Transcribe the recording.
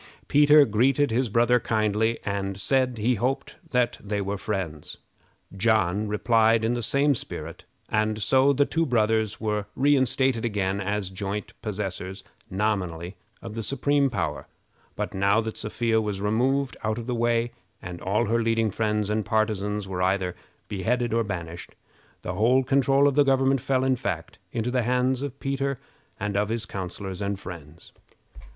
Peter greeted his brother kindly, and said he hoped that they were friends. John replied in the same spirit, and so the two brothers were reinstated again as joint possessors, nominally, of the supreme power, but, now that Sophia was removed out of the way, and all her leading friends and partisans were either beheaded or banished, the whole control of the government fell, in fact, into the hands of Peter and of his counselors and friends.